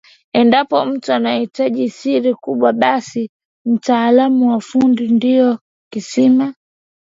Endapo mtu atahitaji siri kubwa basi mtaalamu wa ufundi ndio kisima